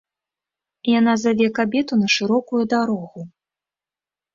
Яна заве кабету на шырокую дарогу.